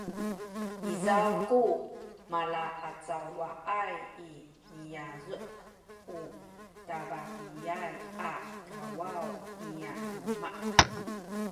izaw ku malaacawaay i niyazu’ u tabakiyay a kawaw nya luma’